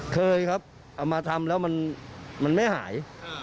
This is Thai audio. เคยครับเอามาทำแล้วมันไม่หาย